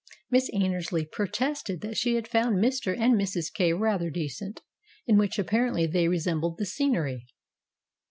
Miss Annersley protested that she had found Mr. and Mrs. Kay rather decent in which apparently they resembled the scenery.